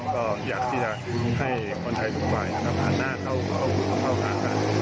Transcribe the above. ก็อยากที่จะให้คนไทยทุกฝ่ายผ่านหน้าเข้าเข้าเข้าข้างกัน